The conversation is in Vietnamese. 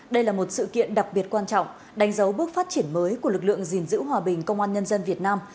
đây là một sự kiện đặc biệt quan trọng đánh dấu bước phát triển mới của lực lượng gìn giữ hòa bình công an nhân dân việt nam